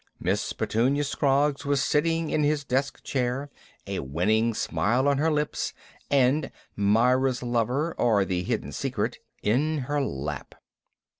Miss Petunia Scroggs was sitting in his desk chair, a winning smile on her lips and "Myra's Lover, or The Hidden Secret," in her lap.